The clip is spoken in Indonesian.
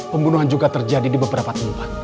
pembunuhan juga terjadi di beberapa tempat